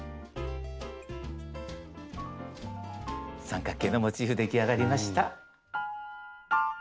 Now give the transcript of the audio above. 三角形のモチーフ出来上がりました。